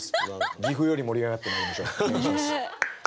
岐阜より盛り上がってまいりましょう。